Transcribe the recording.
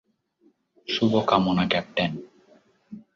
শুভকামনা, ক্যাপ্টেন।